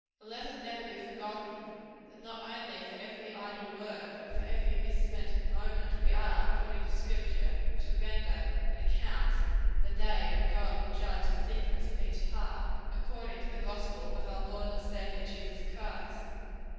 And let it never be forgotten, that not only for every idle word, but for every misspent moment, we are, according to Scripture, to render an account in the day when God will judge the secrets of each heart, according to the gospel of our Lord and Saviour Jesus Christ.